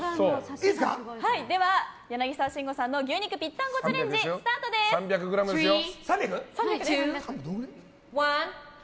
では柳沢慎吾さんの牛肉ぴったんこチャレンジ３００ｇですよ。